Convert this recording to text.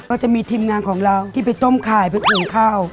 ก็จะมีทีมงานของเราที่ไปต้มขายไปอุ่นข้าว